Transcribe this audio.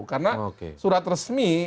karena surat resmi